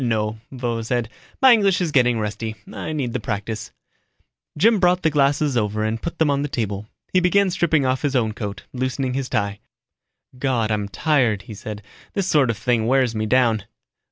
"No," Vovo said, "my English is getting rusty. I need the practice." Jim brought the glasses over and put them on the table. He began stripping off his own coat, loosening his tie. "God, I'm tired," he said. "This sort of thing wears me down."